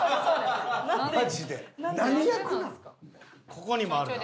ここにもあるな。